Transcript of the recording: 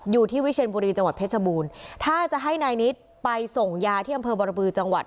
วิเชียนบุรีจังหวัดเพชรบูรณ์ถ้าจะให้นายนิดไปส่งยาที่อำเภอบรบือจังหวัด